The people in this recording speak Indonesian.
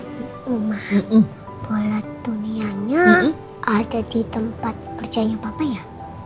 rumah bola dunianya ada di tempat kerjanya papa ya